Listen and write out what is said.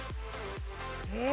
えっ？